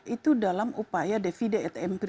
itu dalam upaya devide et impre